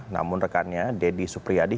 namun rekannya deddy supriyadi